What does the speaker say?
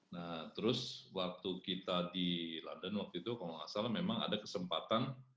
nah terus waktu kita di london waktu itu kalau nggak salah memang ada kesempatan